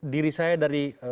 diri saya dari